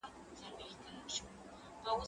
زه باید اوبه وڅښم؟!